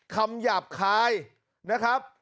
คำหยับคายนะคะ